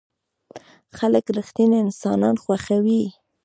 خلک رښتيني انسانان خوښوي.